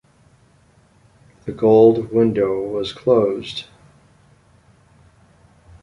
The "gold window" was closed.